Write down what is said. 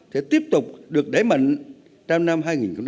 sẽ tiếp tục được đẩy mạnh trong năm hai nghìn hai mươi